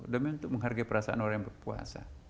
demi untuk menghargai perasaan orang yang berpuasa